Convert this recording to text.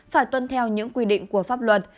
phải tuân theo những quy định của pháp luật